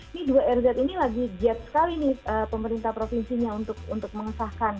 ini dua rz ini lagi giat sekali nih pemerintah provinsinya untuk mengesahkan